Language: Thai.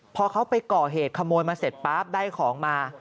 พอเขาไปเกาะเหตุขโมยมาเสร็จได้ของมา